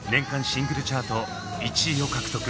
シングルチャート１位を獲得。